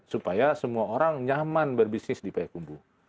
supaya semua orang nyaman berbisnis di payakumbu